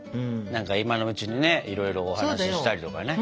何か今のうちにねいろいろお話ししたりとかね。